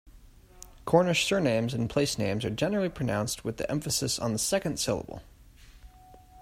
Cornish surnames and placenames are generally pronounced with the emphasis on the second syllable.